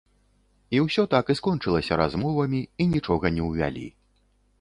І ўсё так і скончылася размовамі, і нічога не ўвялі.